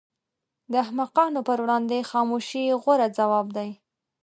د احمقانو پر وړاندې خاموشي غوره ځواب دی.